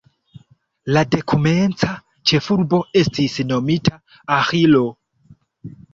La dekomenca ĉefurbo estis nomita Aĥilo.